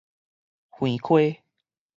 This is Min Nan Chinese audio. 橫溪